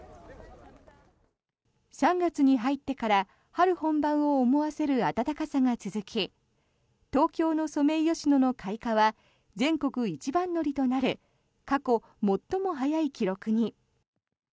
３月に入ってから春本番を思わせる暖かさが続き東京のソメイヨシノの開花は全国一番乗りとなる過去最も早い記録に。